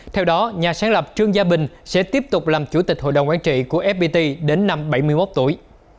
theo đó nhà sáng lập trương gia bình sẽ tiếp tục làm chủ tịch hội đồng quán trị của fpt đến năm bảy mươi một tuổi